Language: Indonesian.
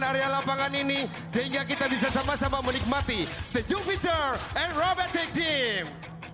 area lapangan ini sehingga kita bisa sama sama menikmati the jupiter aerobatic team